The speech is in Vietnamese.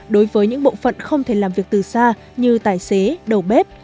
đối với những bộ phận không thể làm việc từ xa như tài xế đầu bếp